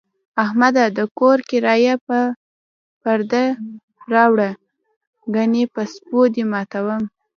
احمده! د کور کرایه په پرده کې راوړه، گني په سپو دې ماتوم.